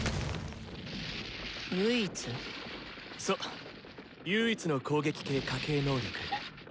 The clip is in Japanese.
そう「唯一」の攻撃系家系能力。